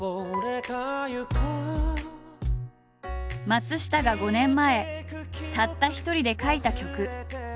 松下が５年前たった一人で書いた曲。